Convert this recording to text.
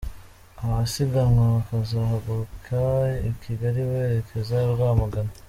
Abasiganwa bakazahaguruka i Kigali berezeka i Rwamagana.